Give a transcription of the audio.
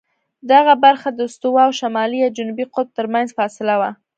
دغه برخه د استوا او شمالي یا جنوبي قطب ترمنځ فاصله وه.